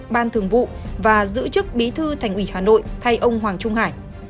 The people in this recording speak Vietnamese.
ban thường vụ và giữ chức bí thư thành ủy hà nội thay ông hoàng trung hải